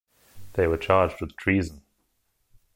They were charged with treason.